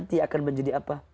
dan itu akan menjadi apa